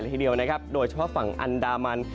ทีเดียวนะครับโดยเฉพาะฝั่งอันดามัน